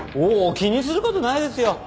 気にすることないですよ。